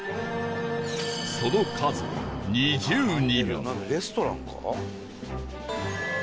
その数２０人